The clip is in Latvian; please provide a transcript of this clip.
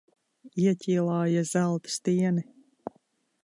Ieķīlāja zelta stieni.